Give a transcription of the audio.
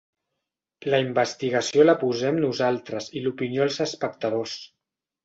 La investigació la posem nosaltres i l'opinió els espectadors.